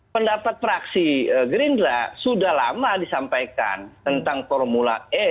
pendapat fraksi gerindra sudah lama disampaikan tentang formula e